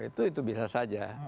itu bisa saja